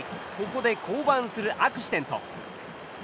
ここで降板するアクシデント。